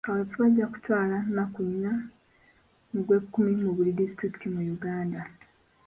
Kaweefube ajja kutwala nnaku nnya mu gw'ekkumi mu buli disitulikiti mu Uganda.